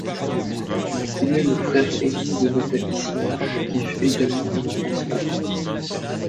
Il est le frère aîné de Nathalie Simard, qui fut également une enfant star.